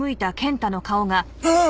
ああ！